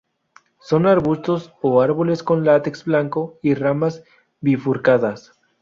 Son arbustos o árboles con látex blanco y ramas bifurcadas.